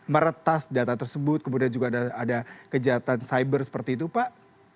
meretas data tersebut kemudian juga ada kejahatan cyber seperti itu pak